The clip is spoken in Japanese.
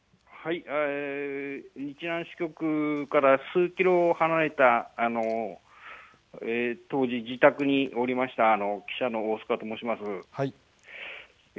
日南支局から数キロ離れた、当時自宅におりました記者のおうすがと申します。